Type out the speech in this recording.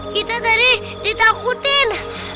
kita dari ditakutin